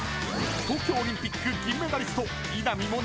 ［東京オリンピック銀メダリスト稲見